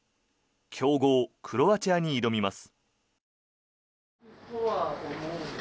強豪クロアチアに挑みます。